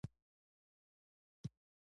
عطرونه خوشبويي خپروي.